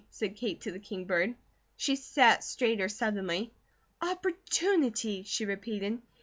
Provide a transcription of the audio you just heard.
said Kate to the kingbird. She sat straighter suddenly. "Opportunity," she repeated.